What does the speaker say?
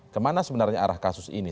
kemana sebenarnya arah kasus ini